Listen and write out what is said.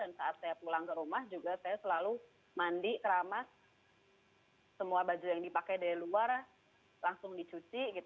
dan saat saya pulang ke rumah juga saya selalu mandi keramas semua baju yang dipakai dari luar langsung dicuci